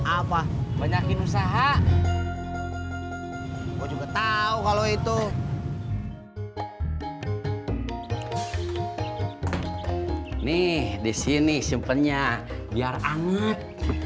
apa banyakin usaha gue juga tahu kalau itu nih disini simpennya biar anget